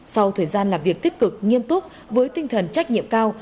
sau thời gian làm việc tích cực nghiêm túc với tinh thần trách nhiệm cao